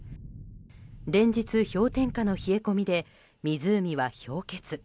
連日、氷点下の冷え込みで湖は氷結。